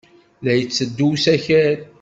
La d-yetteddu usakal.